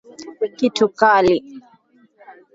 Kitu kali.